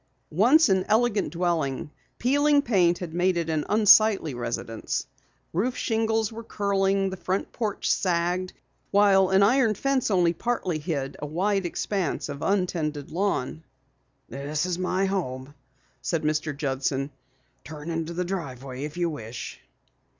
Once an elegant dwelling, peeling paint had made it an unsightly residence. Roof shingles were curling, the front porch sagged, while an iron fence only partially hid a wide expanse of untended lawn. "This is my home," said Mr. Judson. "Turn into the driveway if you wish."